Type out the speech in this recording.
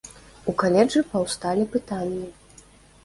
У каледжы паўсталі пытанні.